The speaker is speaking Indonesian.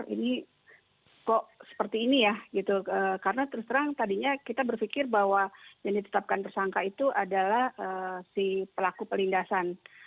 ini kok seperti ini ya gitu karena terus terang tadinya kita berpikir bahwa yang ditetapkan tersangka itu adalah si pelaku pelindasan